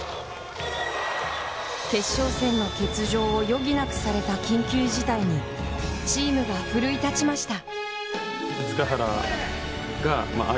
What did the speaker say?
決勝戦の欠場を余儀なくされた緊急事態にチームが奮い立ちました。